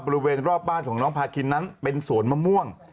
บริเวณรอบบ้านของน้องพาคินนั้นเป็นสวนมะม่วง